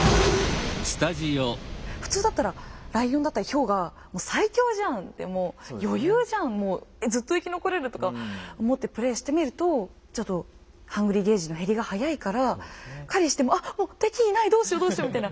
普通だったらライオンだったりヒョウが最強じゃんってもう余裕じゃんもうずっと生き残れるとか思ってプレイしてみるとちょっと「ＨＵＮＧＲＹ」ゲージの減りが早いから狩りしても「あっもう敵いないどうしよどうしよ」みたいな。